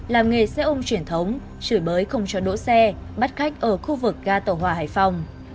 làm nghề xe ôm truyền thống chửi bới không cho đỗ xe bắt khách ở khu vực ga tàu hòa hải phòng